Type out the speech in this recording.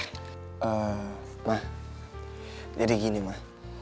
eh ma jadi gini ma